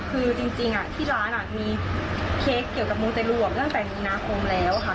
คือจริงที่ร้านมีเค้กเกี่ยวกับมูเตรลวกตั้งแต่มีนาคมแล้วค่ะ